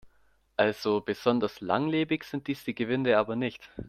Also besonders langlebig sind diese Gewinde aber nicht.